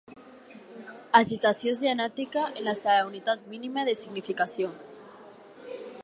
Agitació genètica en la seva unitat mínima de significació.